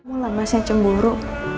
kamu lah mas yang cemburu